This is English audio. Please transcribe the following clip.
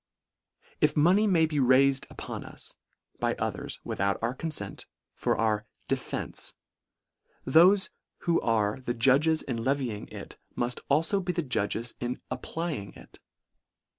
If money may be raifed upon us, by o thers, without our confent, for our " de " fence," thofe who are the judges in levy ing it, mull alfo be the judges in applying it.